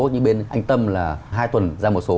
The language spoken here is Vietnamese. như bên anh tâm là hai tuần ra một số